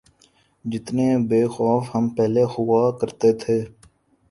جتنے بے خوف ہم پہلے ہوا کرتے تھے۔